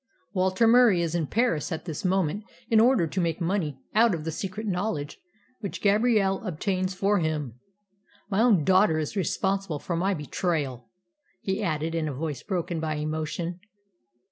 Walter Murie is in Paris at this moment in order to make money out of the secret knowledge which Gabrielle obtains for him. My own daughter is responsible for my betrayal!" he added, in a voice broken by emotion.